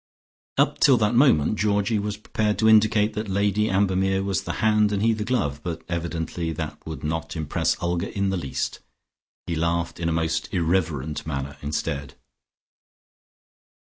Up till that moment Georgie was prepared to indicate that Lady Ambermere was the hand and he the glove. But evidently that would not impress Olga in the least. He laughed in a most irreverent manner instead.